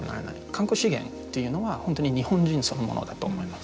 観光資源っていうのは本当に日本人そのものだと思います。